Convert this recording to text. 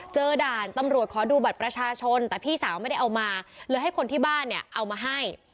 ด่านตำรวจขอดูบัตรประชาชนแต่พี่สาวไม่ได้เอามาเลยให้คนที่บ้านเนี่ยเอามาให้